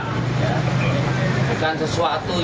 bukan sesuatu yang